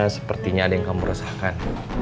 sepertinya ada yang kamu resahkan